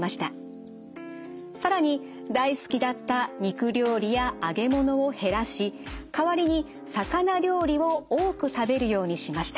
更に大好きだった肉料理や揚げ物を減らし代わりに魚料理を多く食べるようにしました。